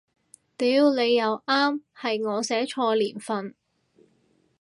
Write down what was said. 屌你又啱，係我寫錯年份